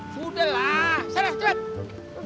sudahlah sana cepet